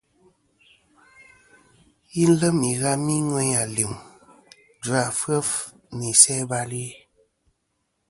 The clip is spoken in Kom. Yi lem ighami ŋweyn alim, jvafef nɨ isæ-bal-i.